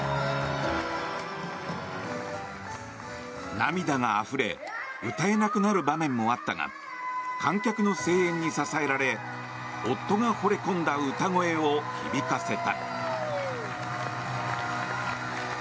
涙があふれ歌えなくなる場面もあったが観客の声援に支えられ夫がほれ込んだ歌声を響かせた。